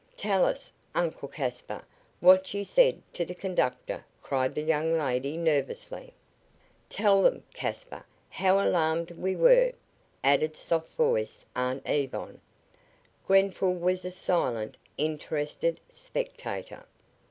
"Tell us, Uncle Caspar, what you said to the conductor," cried the young lady, nervously. "Tell them, Caspar, how alarmed we were," added soft voiced Aunt Yvonne. Grenfall was a silent, interested spectator.